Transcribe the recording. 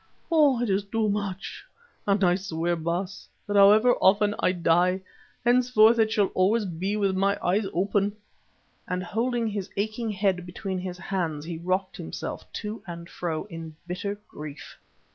Oh! it is too much, and I swear, Baas, that however often I have to die, henceforward it shall always be with my eyes open," and holding his aching head between his hands he rocked himself to and fro in bitter grief.